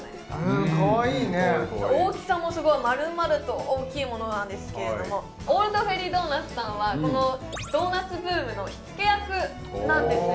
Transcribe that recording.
うんかわいいね大きさもすごい丸々と大きいものなんですけれどもオールドフェリードーナツさんはこのドーナツブームの火付け役なんですよ